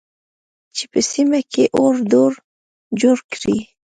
چې په سیمه کې اړو دوړ جوړ کړي